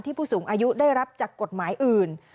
ผู้สูงอายุได้รับจากกฎหมายอื่น